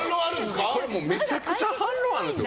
めちゃくちゃ反論あるんです。